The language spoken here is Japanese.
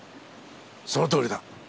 そのとおりだ。